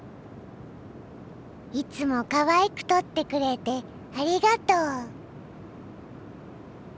いつもかわいく撮ってくれてありがとう。